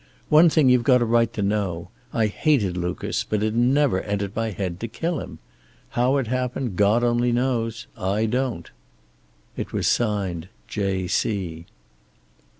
One thing you've got a right to know. I hated Lucas, but it never entered my head to kill him. How it happened God only knows. I don't." It was signed "J. C."